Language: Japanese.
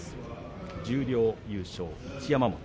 十両優勝、一山本